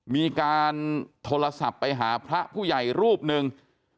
มีการโทรศัพท์ไปหาพระผู้ใหญ่รูปหนึ่ง